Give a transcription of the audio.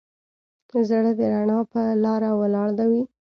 زړه د رڼا په لاره ولاړ وي.